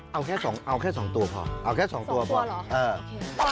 เอาแค่สองเอาแค่สองตัวพอเอาแค่สองตัวพอเหรอเออ